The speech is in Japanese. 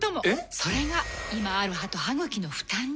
それが今ある歯と歯ぐきの負担に。